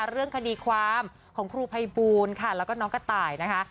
เรื่องคดีความของครูภัยบูลค่ะแล้วก็น้องกระต่ายนะคะ